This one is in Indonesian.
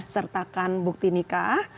sertakan bukti nikah